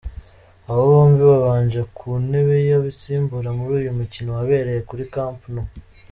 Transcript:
Aba bombi babanje ku ntebe y’abasimbura muri uyu mukino wabereye kuri Camp Nou.